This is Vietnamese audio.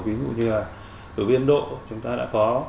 ví dụ như ở việt nam chúng ta đã có